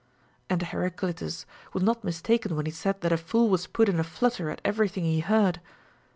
And Heraclitus was not mistaken when he said that a fool was put in a flutter at every thing he heard.